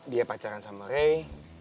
dia pacaran sama ray